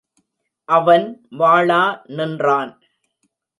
அவன் வாளா நின்றான்.